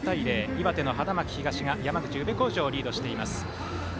岩手の花巻東が山口・宇部鴻城をリードしてます。